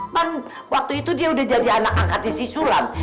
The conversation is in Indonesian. kan waktu itu dia udah jadi anak angkat di si sulam